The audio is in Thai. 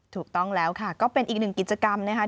ถูกต้องแล้วค่ะก็เป็นอีกหนึ่งกิจกรรมนะคะ